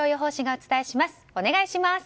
お願いします。